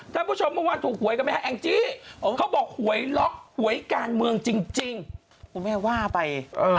ท่านผู้ชมมันว่าถูกหวยกันไหมครับอั็งจี้